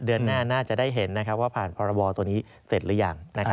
เดือนหน้าน่าจะได้เห็นว่าผ่านพรบตัวนี้เสร็จหรือยัง